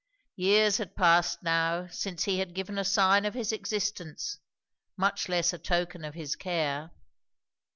Years had passed now since he had given a sign of his existence, much less a token of his care.